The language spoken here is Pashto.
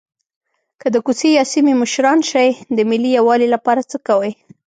که د کوڅې یا سیمې مشران شئ د ملي یووالي لپاره څه کوئ.